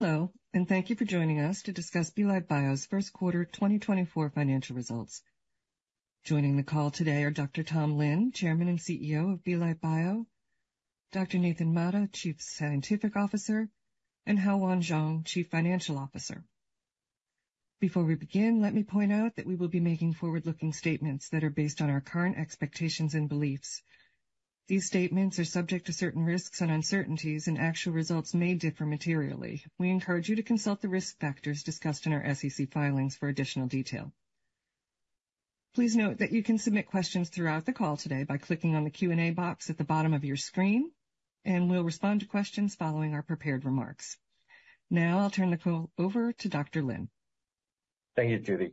Hello, and thank you for joining us to discuss Belite Bio's first quarter 2024 financial results. Joining the call today are Dr. Tom Lin, Chairman and CEO of Belite Bio, Dr. Nathan Mata, Chief Scientific Officer, and Hao-Yuan Chuang, Chief Financial Officer. Before we begin, let me point out that we will be making forward-looking statements that are based on our current expectations and beliefs. These statements are subject to certain risks and uncertainties, and actual results may differ materially. We encourage you to consult the risk factors discussed in our SEC filings for additional detail. Please note that you can submit questions throughout the call today by clicking on the Q&A box at the bottom of your screen, and we'll respond to questions following our prepared remarks. Now I'll turn the call over to Dr. Lin. Thank you, Judy.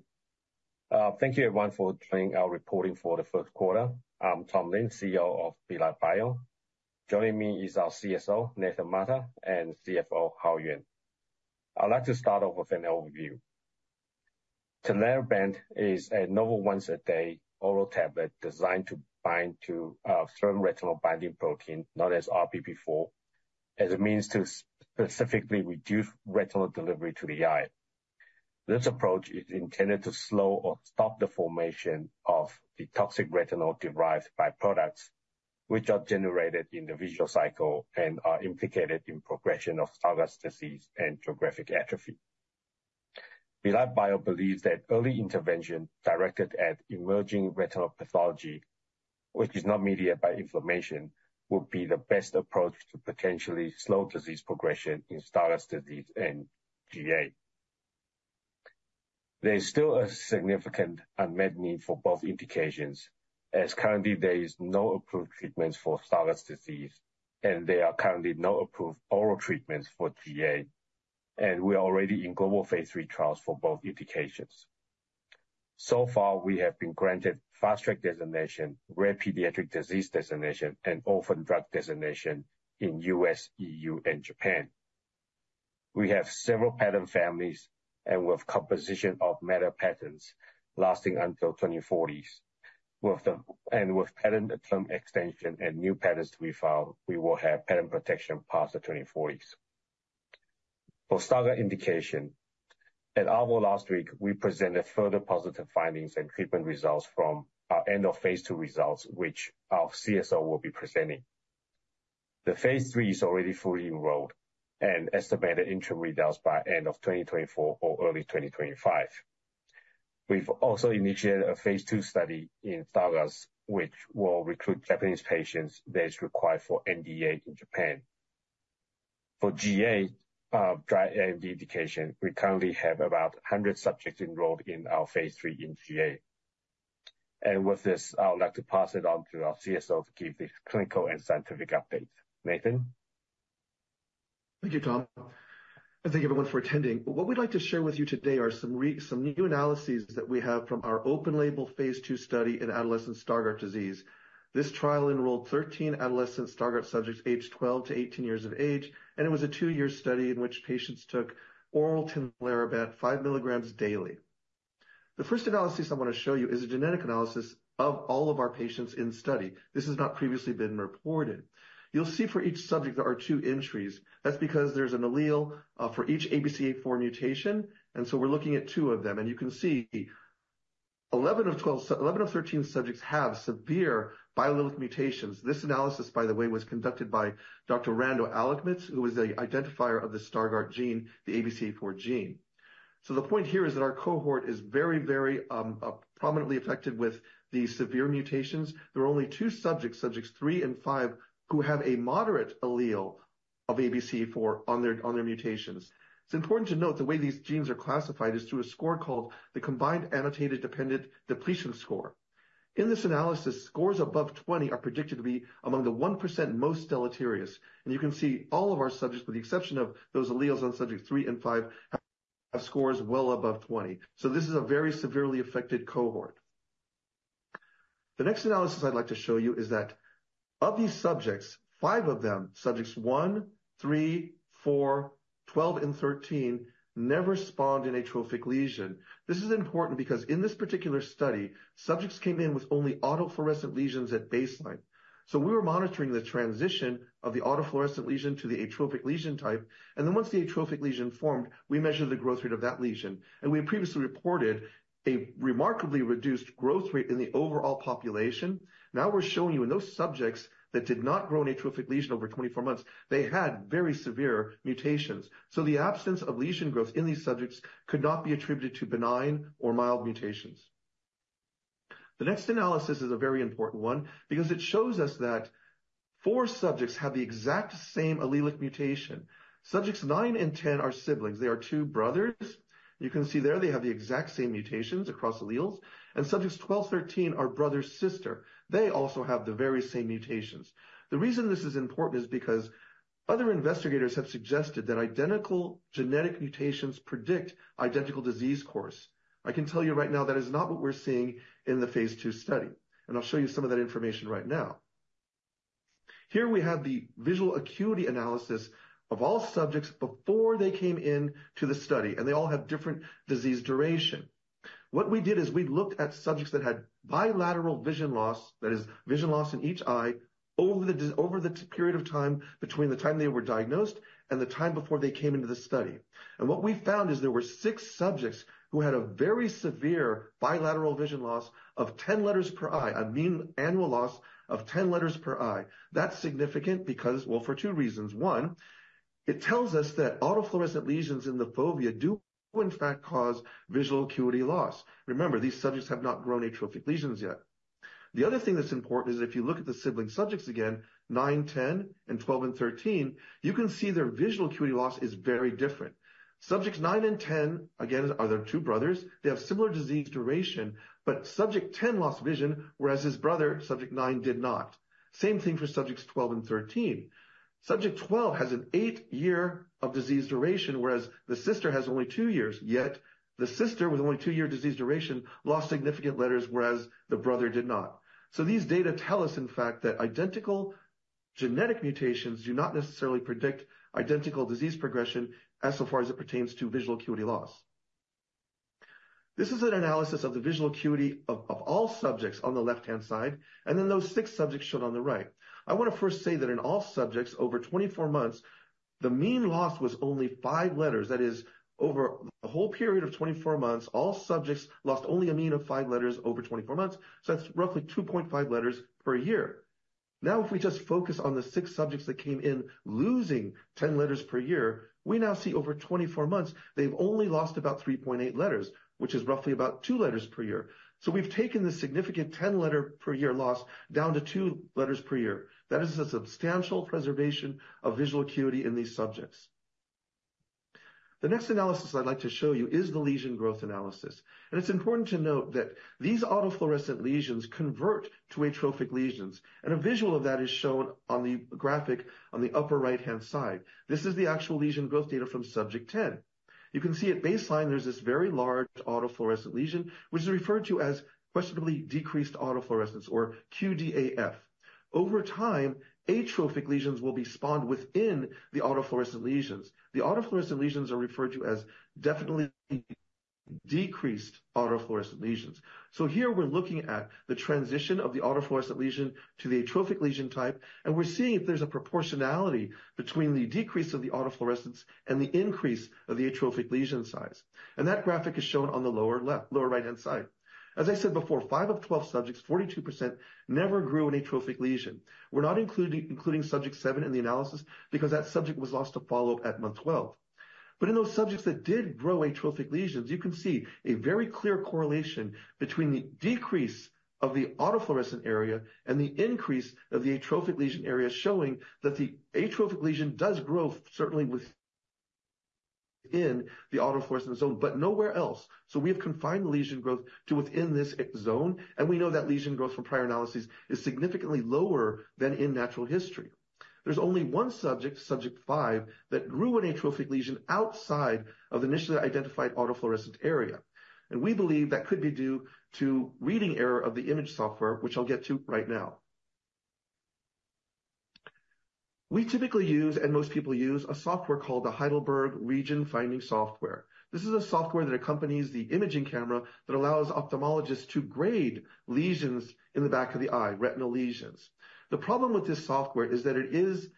Thank you, everyone, for joining our reporting for the first quarter. I'm Tom Lin, CEO of Belite Bio. Joining me is our CSO, Nathan Mata, and CFO, Hao-Yuan. I'd like to start off with an overview. Tinlarebant is a novel once a day oral tablet designed to bind to certain retinol binding protein, known as RBP4, as a means to specifically reduce retinol delivery to the eye. This approach is intended to slow or stop the formation of the toxic retinal-derived byproducts, which are generated in the visual cycle and are implicated in progression of Stargardt disease and geographic atrophy. Belite Bio believes that early intervention directed at emerging retinal pathology, which is not mediated by inflammation, would be the best approach to potentially slow disease progression in Stargardt disease and GA. There is still a significant unmet need for both indications, as currently there is no approved treatments for Stargardt disease and there are currently no approved oral treatments for GA, and we are already in global phase 3 trials for both indications. So far, we have been granted Fast Track Designation, Rare Pediatric Disease Designation, and Orphan Drug Designation in U.S., E.U., and Japan. We have several patent families and with composition of matter patents lasting until 2040s. With and with patent term extension and new patents to be filed, we will have patent protection past the 2040s. For Stargardt indication, at ARVO last week, we presented further positive findings and treatment results from our end of phase 2 results, which our CSO will be presenting. The phase 3 is already fully enrolled and estimated interim results by end of 2024 or early 2025. We've also initiated a phase 2 study in Stargardt's, which will recruit Japanese patients that is required for NDA in Japan. For GA, dry AMD indication, we currently have about 100 subjects enrolled in our phase 3 in GA. And with this, I would like to pass it on to our CSO to give the clinical and scientific update. Nathan? Thank you, Tom, and thank you, everyone, for attending. What we'd like to share with you today are some new analyses that we have from our open-label phase 2 study in adolescent Stargardt Disease. This trial enrolled 13 adolescent Stargardt subjects, aged 12 to 18 years of age, and it was a 2-year study in which patients took oral Tinlarebant 5 milligrams daily. The first analysis I want to show you is a genetic analysis of all of our patients in the study. This has not previously been reported. You'll see for each subject, there are 2 entries. That's because there's an allele for each ABCA4 mutation, and so we're looking at 2 of them. You can see 11 of 12, 11 of 13 subjects have severe biallelic mutations. This analysis, by the way, was conducted by - Dr. Rando Allikmets, who was the identifier of the Stargardt gene, the ABCA4 gene. So the point here is that our cohort is very, very, prominently affected with these severe mutations. There are only 2 subjects, subjects 3 and 5, who have a moderate allele of ABCA4 on their, on their mutations. It's important to note, the way these genes are classified is through a score called the Combined Annotation Dependent Depletion Score. In this analysis, scores above 20 are predicted to be among the 1% most deleterious, and you can see all of our subjects, with the exception of those alleles on subjects 3 and 5, have scores well above 20. So this is a very severely affected cohort. The next analysis I'd like to show you is that of these subjects, 5 of them, subjects 1, 3, 4, 12, and 13, never spawned an atrophic lesion. This is important because in this particular study, subjects came in with only auto fluorescent lesions at baseline. So we were monitoring the transition of the auto fluorescent lesion to the atrophic lesion type, and then once the atrophic lesion formed, we measured the growth rate of that lesion. And we had previously reported a remarkably reduced growth rate in the overall population. Now, we're showing you in those subjects that did not grow an atrophic lesion over 24 months, they had very severe mutations. So the absence of lesion growth in these subjects could not be attributed to benign or mild mutations. The next analysis is a very important one because it shows us that 4 subjects have the exact same allelic mutation. Subjects 9 and 10 are siblings. They are 2 brothers. You can see there they have the exact same mutations across alleles, and subjects 12, 13 are brother, sister. They also have the very same mutations. The reason this is important is because other investigators have suggested that identical genetic mutations predict identical disease course. I can tell you right now, that is not what we're seeing in the phase 2 study, and I'll show you some of that information right now. Here we have the visual acuity analysis of all subjects before they came into the study, and they all have different disease duration. What we did is we looked at subjects that had bilateral vision loss, that is, vision loss in each eye, over the, over the period of time between the time they were diagnosed and the time before they came into the study. What we found is there were 6 subjects who had a very severe bilateral vision loss of 10 letters per eye, a mean annual loss of 10 letters per eye. That's significant because, well, for 2 reasons. 1, it tells us that auto fluorescent lesions in the fovea do in fact cause visual acuity loss. Remember, these subjects have not grown atrophic lesions yet. The other thing that's important is if you look at the sibling subjects again, 9, 10 and 12 and 13, you can see their visual acuity loss is very different. Subjects 9 and 10, again, are the 2 brothers. They have similar disease duration, but subject 10 lost vision, whereas his brother, subject 9, did not. Same thing for subjects 12 and 13. Subject 12 has an 8-year disease duration, whereas the sister has only 2 years, yet the sister, with only 2-year disease duration, lost significant letters, whereas the brother did not. So these data tell us, in fact, that identical genetic mutations do not necessarily predict identical disease progression as so far as it pertains to visual acuity loss. This is an analysis of the visual acuity of all subjects on the left-hand side, and then those six subjects shown on the right. I want to first say that in all subjects, over 24 months, the mean loss was only 5 letters. That is, over a whole period of 24 months, all subjects lost only a mean of 5 letters over 24 months. So that's roughly 2.5 letters per year. Now, if we just focus on the six subjects that came in, losing 10 letters per year, we now see over 24 months, they've only lost about 3.8 letters, which is roughly about two letters per year. So we've taken the significant 10 letter per year loss down to two letters per year. That is a substantial preservation of visual acuity in these subjects. The next analysis I'd like to show you is the lesion growth analysis, and it's important to note that these auto fluorescent lesions convert to atrophic lesions, and a visual of that is shown on the graphic on the upper right-hand side. This is the actual lesion growth data from subject 10. You can see at baseline, there's this very large auto fluorescent lesion, which is referred to as questionably decreased auto fluorescence or QDAF . Over time, atrophic lesions will be spawned within the auto fluorescent lesions. The auto fluorescent lesions are referred to as definitely decreased auto fluorescent lesions. So here we're looking at the transition of the auto fluorescent lesion to the atrophic lesion type, and we're seeing if there's a proportionality between the decrease of the auto fluorescence and the increase of the atrophic lesion size. That graphic is shown on the lower left- lower right-hand side. As I said before, 5 of 12 subjects, 42%, never grew an atrophic lesion. We're not including subject seven in the analysis because that subject was lost to follow-up at month 12. But in those subjects that did grow atrophic lesions, you can see a very clear correlation between the decrease of the auto fluorescent area and the increase of the atrophic lesion area, showing that the atrophic lesion does grow, certainly within the auto fluorescent zone, but nowhere else. So we have confined the lesion growth to within this zone, and we know that lesion growth from prior analyses is significantly lower than in natural history. There's only one subject, subject five, that grew an atrophic lesion outside of the initially identified auto fluorescent area. And we believe that could be due to reading error of the image software, which I'll get to right now. We typically use, and most people use, a software called the Heidelberg RegionFinder software. This is a software that accompanies the imaging camera that allows ophthalmologists to grade lesions in the back of the eye, retinal lesions. The problem with this software is that it is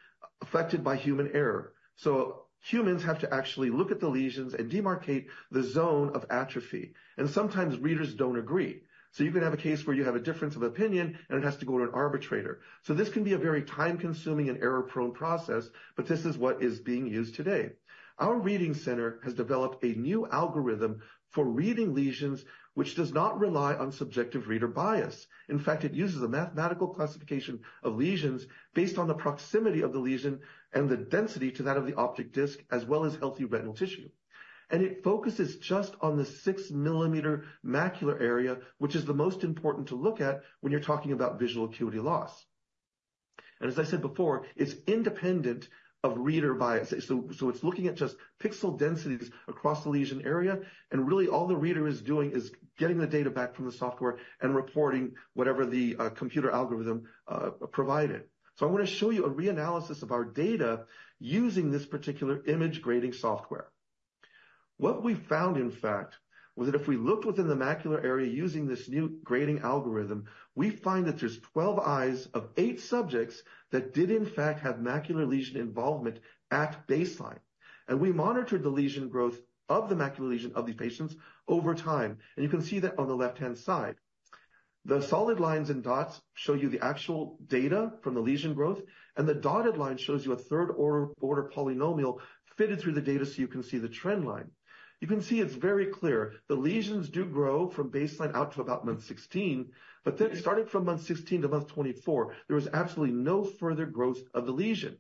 affected by human error. So humans have to actually look at the lesions and demarcate the zone of atrophy and sometimes readers don't agree. You could have a case where you have a difference of opinion, and it has to go to an arbitrator. This can be a very time-consuming and error-prone process, but this is what is being used today. Our reading center has developed a new algorithm for reading lesions, which does not rely on subjective reader bias. In fact, it uses a mathematical classification of lesions based on the proximity of the lesion and the density to that of the optic disc, as well as healthy retinal tissue. It focuses just on the 6 millimeter macular area, which is the most important to look at when you're talking about visual acuity loss. As I said before, it's independent of reader bias. So, so it's looking at just pixel densities across the lesion area, and really all the reader is doing is getting the data back from the software and reporting whatever the computer algorithm provided. So I want to show you a reanalysis of our data using this particular image grading software. What we found, in fact, was that if we looked within the macular area using this new grading algorithm, we find that there's 12 eyes of 8 subjects that did in fact have macular lesion involvement at baseline. And we monitored the lesion growth of the macular lesion of these patients over time, and you can see that on the left-hand side. The solid lines and dots show you the actual data from the lesion growth, and the dotted line shows you a third-order polynomial fitted through the data so you can see the trend line. You can see it's very clear. The lesions do grow from baseline out to about month 16, but then starting from month 16 to month 24, there was absolutely no further growth of the lesion.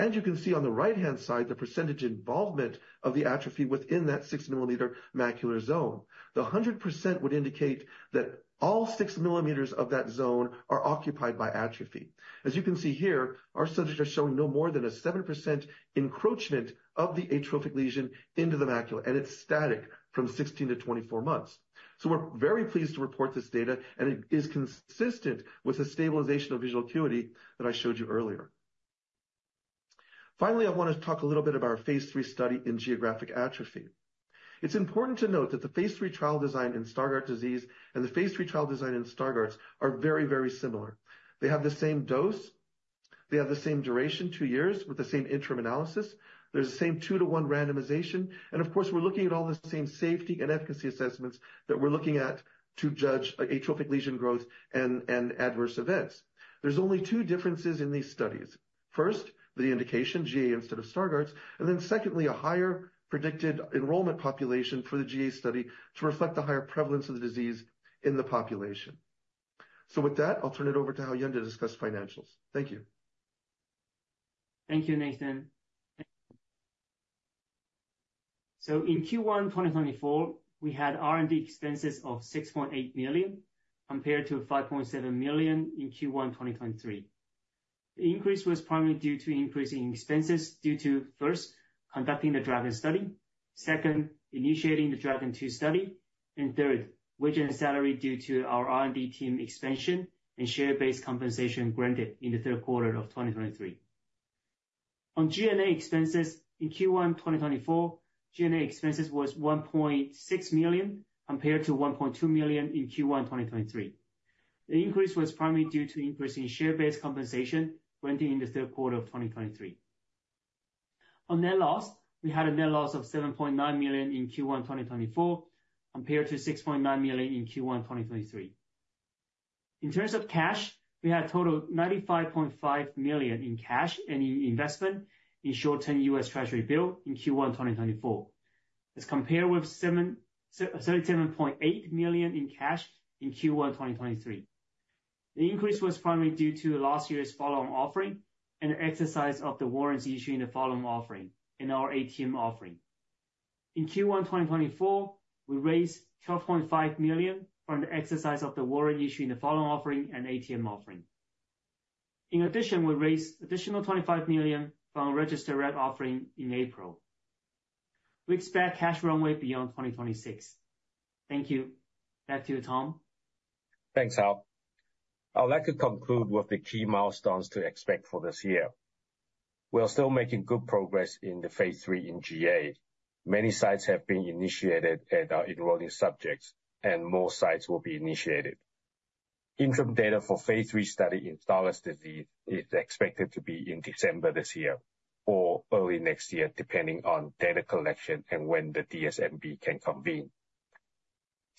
You can see on the right-hand side the percentage involvement of the atrophy within that 6-millimeter macular zone. 100% would indicate that all 6 millimeters of that zone are occupied by atrophy. As you can see here, our subjects are showing no more than a 7% encroachment of the atrophic lesion into the macula, and it's static from 16 to 24 months. So we're very pleased to report this data, and it is consistent with the stabilization of visual acuity that I showed you earlier. Finally, I want to talk a little bit about our phase 3 study in geographic atrophy. It's important to note that the phase 3 trial design in Stargardt disease and the phase 3 trial design in Stargardt's are very, very similar. They have the same dose, they have the same duration, two years, with the same interim analysis. There's the same 2-to-1 randomization, and of course, we're looking at all the same safety and efficacy assessments that we're looking at to judge atrophic lesion growth and adverse events. There's only two differences in these studies. First, the indication, GA instead of Stargardt's, and then secondly, a higher predicted enrollment population for the GA study to reflect the higher prevalence of the disease in the population. With that, I'll turn it over to Hao-Yuan to discuss financials. Thank you. Thank you, Nathan. So in Q1 2024, we had R&D expenses of $6.8 million, compared to $5.7 million in Q1 2023. The increase was primarily due to increasing expenses due to, first, conducting the DRAGON study, second, initiating the DRAGON II study, and third, wage and salary due to our R&D team expansion and share-based compensation granted in the third quarter of 2023. On G&A expenses in Q1 2024, G&A expenses was $1.6 million, compared to $1.2 million in Q1 2023. The increase was primarily due to increase in share-based compensation granted in the third quarter of 2023. On net loss, we had a net loss of $7.9 million in Q1 2024, compared to $6.9 million in Q1 2023. In terms of cash, we had a total of $95.5 million in cash and investment in short-term US Treasury bill in Q1 2024, as compared with $77.8 million in cash in Q1 2023. The increase was primarily due to last year's follow-on offering and the exercise of the warrants issued in the following offering in our ATM offering. In Q1 2024, we raised $12.5 million from the exercise of the warrant issued in the following offering and ATM offering. In addition, we raised additional $25 million from registered direct offering in April. We expect cash runway beyond 2026. Thank you. Back to you, Tom. Thanks, Hao. I would like to conclude with the key milestones to expect for this year. We are still making good progress in the phase 3 in GA. Many sites have been initiated and are enrolling subjects, and more sites will be initiated. Interim data for phase 3 study in Stargardt disease is expected to be in December this year or early next year, depending on data collection and when the DSMB can convene.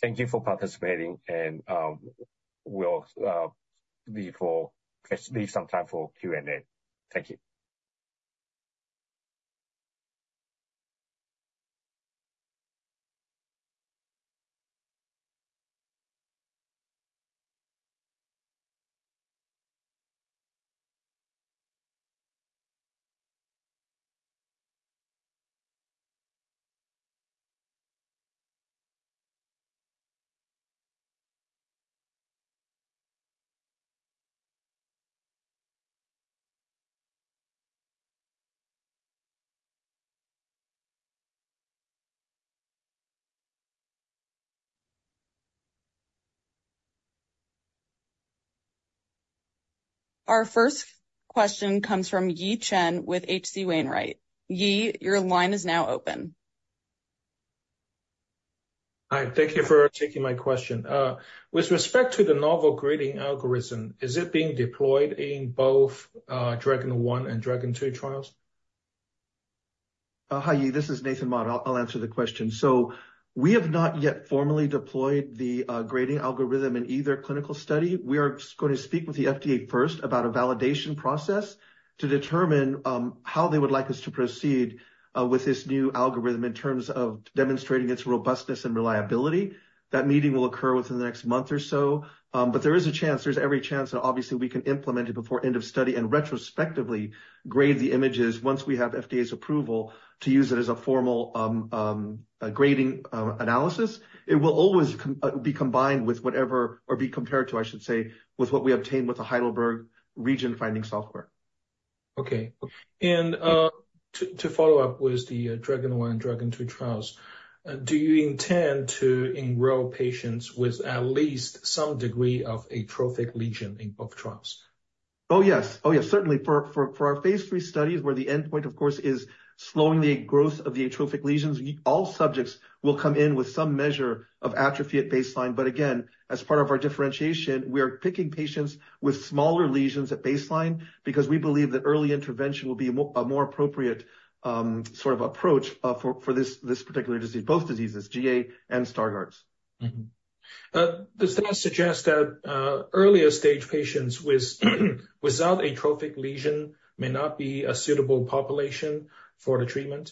Thank you for participating, and we'll leave some time for Q&A. Thank you. Our first question comes from Yi Chen with H.C. Wainwright. Yi, your line is now open. Hi, thank you for taking my question. With respect to the novel grading algorithm, is it being deployed in both DRAGON 1 and DRAGON 2 trials? Hi, Yi, this is Nathan Mata. I'll answer the question. So we have not yet formally deployed the grading algorithm in either clinical study. We are going to speak with the FDA first about a validation process to determine how they would like us to proceed with this new algorithm in terms of demonstrating its robustness and reliability. That meeting will occur within the next month or so, but there is a chance, there's every chance that obviously we can implement it before end of study and retrospectively grade the images once we have FDA's approval to use it as a formal grading analysis. It will always be combined with whatever or be compared to, I should say, with what we obtained with the Heidelberg RegionFinder software. Okay. And to follow up with the DRAGEN 1 and DRAGEN 2 trials, do you intend to enroll patients with at least some degree of atrophic lesion in both trials? Oh, yes. Oh, yes, certainly. For our phase 3 studies, where the endpoint, of course, is slowing the growth of the atrophic lesions, all subjects will come in with some measure of atrophy at baseline. But again, as part of our differentiation, we are picking patients with smaller lesions at baseline because we believe that early intervention will be a more appropriate, sort of approach, for this particular disease, both diseases, GA and Stargardt's. Mm-hmm. Does that suggest that earlier stage patients with, without atrophic lesion may not be a suitable population for the treatment?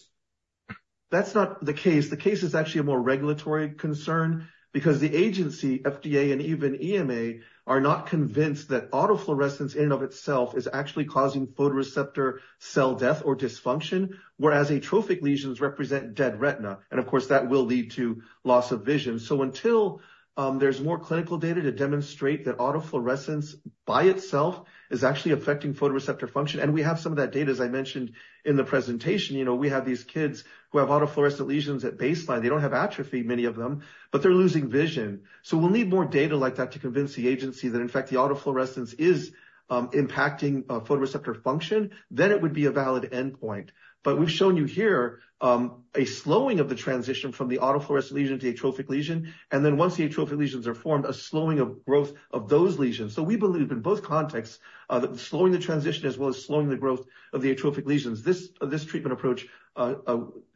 That's not the case. The case is actually a more regulatory concern because the agency, FDA and even EMA, are not convinced that autofluorescence in and of itself is actually causing photoreceptor cell death or dysfunction, whereas atrophic lesions represent dead retina, and of course, that will lead to loss of vision. So until there's more clinical data to demonstrate that autofluorescence by itself is actually affecting photoreceptor function, and we have some of that data, as I mentioned in the presentation. You know, we have these kids who have autofluorescent lesions at baseline. They don't have atrophy, many of them, but they're losing vision. So we'll need more data like that to convince the agency that, in fact, the autofluorescence is impacting photoreceptor function, then it would be a valid endpoint. But we've shown you here a slowing of the transition from the autofluorescent lesion to the atrophic lesion, and then once the atrophic lesions are formed, a slowing of growth of those lesions. So we believe in both contexts that slowing the transition as well as slowing the growth of the atrophic lesions, this treatment approach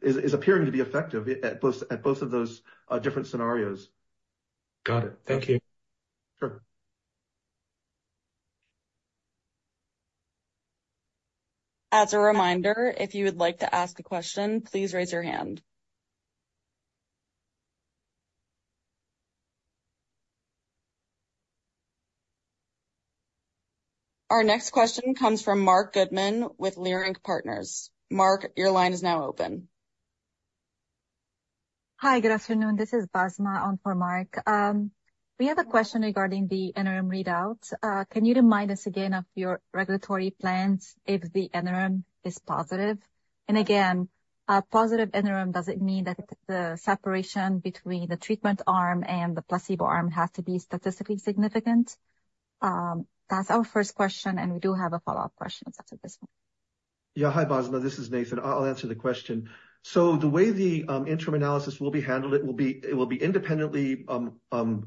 is appearing to be effective at both of those different scenarios. Got it. Thank you. Sure. As a reminder, if you would like to ask a question, please raise your hand. Our next question comes from Mark Goodman with Leerink Partners. Mark, your line is now open. Hi, good afternoon. This is Basma on for Mark. We have a question regarding the interim readout. Can you remind us again of your regulatory plans if the interim is positive? And again, a positive interim, does it mean that the separation between the treatment arm and the placebo arm has to be statistically significant? That's our first question, and we do have a follow-up question after this one. Yeah. Hi, Basma, this is Nathan. I'll answer the question. So the way the interim analysis will be handled, it will be independently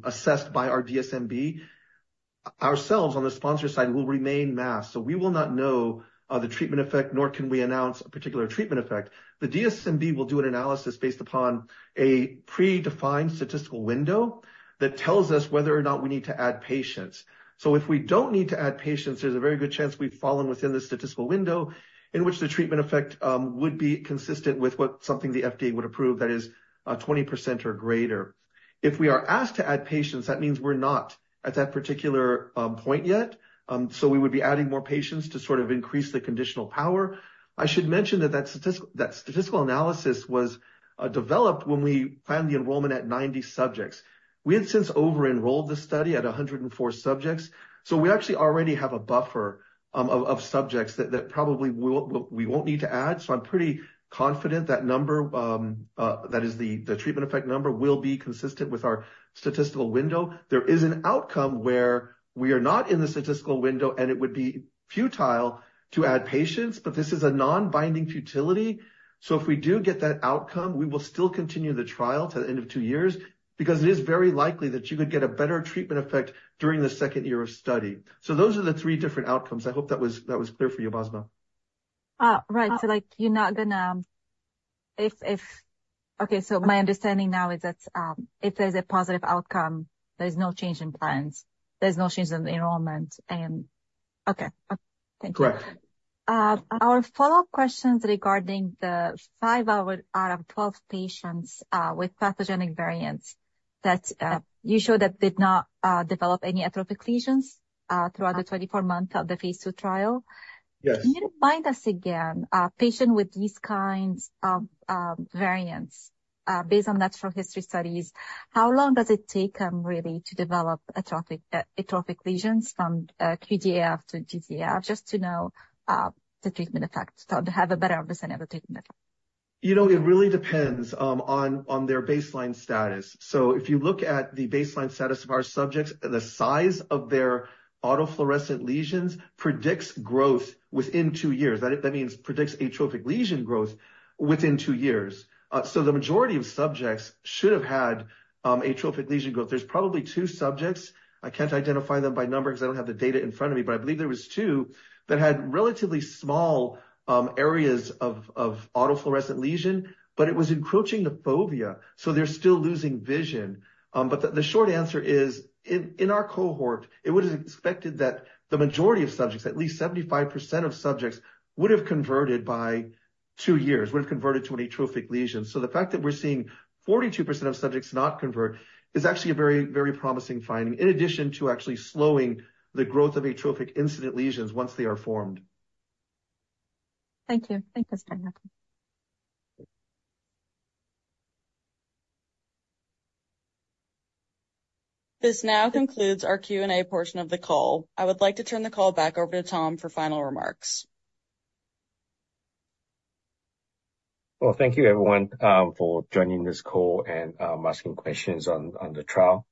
assessed by our DSMB. Ourselves, on the sponsor side, will remain masked, so we will not know the treatment effect, nor can we announce a particular treatment effect. The DSMB will do an analysis based upon a predefined statistical window that tells us whether or not we need to add patients. So if we don't need to add patients, there's a very good chance we've fallen within the statistical window in which the treatment effect would be consistent with what something the FDA would approve, that is, 20% or greater. If we are asked to add patients, that means we're not at that particular point yet, so we would be adding more patients to sort of increase the conditional power. I should mention that statistical analysis was developed when we planned the enrollment at 90 subjects. We had since over-enrolled the study at 104 subjects. So we actually already have a buffer of subjects that probably we won't need to add. So I'm pretty confident that number, that is the treatment effect number, will be consistent with our statistical window. There is an outcome where we are not in the statistical window, and it would be futile to add patients, but this is a non-binding futility. So if we do get that outcome, we will still continue the trial to the end of 2 years, because it is very likely that you could get a better treatment effect during the second year of study. So those are the 3 different outcomes. I hope that was, that was clear for you, Basma. Right. So, like, you're not gonna... If—if—okay, so my understanding now is that if there's a positive outcome, there's no change in plans, there's no change in the enrollment, and okay. Thank you. Correct. Our follow-up question's regarding the 5 out of 12 patients with pathogenic variants that you showed that did not develop any atrophic lesions throughout the 24 months of the phase 2 trial. Yes. Can you remind us again, a patient with these kinds of variants, based on natural history studies, how long does it take them really to develop atrophic atrophic lesions from QADF to DDAF, just to know the treatment effect, to have a better understanding of the treatment effect? You know, it really depends on their baseline status. So if you look at the baseline status of our subjects, the size of their autofluorescent lesions predicts growth within two years. That means predicts atrophic lesion growth within two years. So the majority of subjects should have had atrophic lesion growth. There's probably two subjects, I can't identify them by number because I don't have the data in front of me, but I believe there was two, that had relatively small areas of auto fluorescent lesion, but it was encroaching the fovea, so they're still losing vision. But the short answer is, in our cohort, it would have expected that the majority of subjects, at least 75% of subjects, would have converted by two years, would have converted to an atrophic lesion. The fact that we're seeing 42% of subjects not convert is actually a very, very promising finding, in addition to actually slowing the growth of atrophic incident lesions once they are formed. Thank you. Thanks for explaining. This now concludes our Q&A portion of the call. I would like to turn the call back over to Tom for final remarks. Well, thank you, everyone, for joining this call and asking questions on the trial.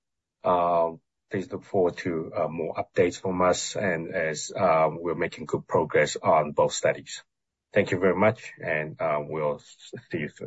Please look forward to more updates from us and as we're making good progress on both studies. Thank you very much, and we'll see you soon.